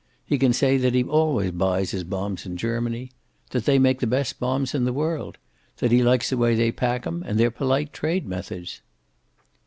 He can say that he always buys his bombs in Germany. That they make the best bombs in the world. That he likes the way they pack 'em, and their polite trade methods."